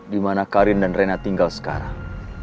dimana karin dan rena tinggal sekarang